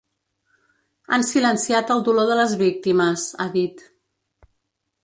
Han silenciat el dolor de les víctimes, ha dit.